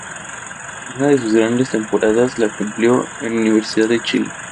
Una de sus grandes temporadas la cumplió en Universidad de Chile.